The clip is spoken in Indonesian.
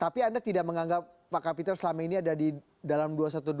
tapi anda tidak menganggap pak kapiter selama ini ada di dalam dua ratus dua belas